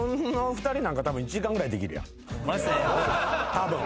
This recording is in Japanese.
たぶん。